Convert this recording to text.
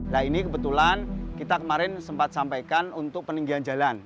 nah ini kebetulan kita kemarin sempat sampaikan untuk peninggian jalan